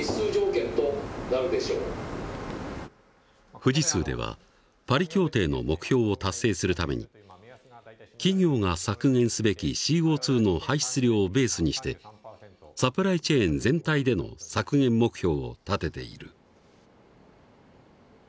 富士通ではパリ協定の目標を達成するために企業が削減すべきＣＯの排出量をベースにしてサプライチェーン全体での削減目標を立てている。